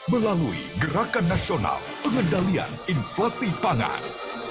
melalui gerakan nasional pengendalian inflasi pangan